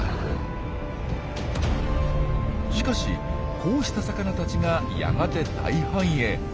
しかしこうした魚たちがやがて大繁栄。